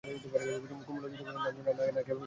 কুমু লজ্জিত হয়ে বললে, না, ক্ষেমাপিসি অনেকক্ষণ ছিলেন।